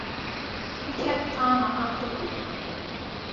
He kept the armor afterward.